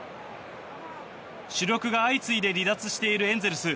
主力が相次いで離脱しているエンゼルス。